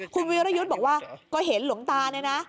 คุณวิรยุทธ์บอกว่าก็เห็นหลวงตาเนี่ยนะ